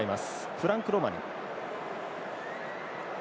フランク・ロマニ。